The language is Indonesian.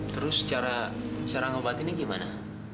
terus cara ngobatinnya gimana